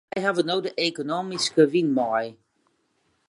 Wy hawwe no de ekonomyske wyn mei.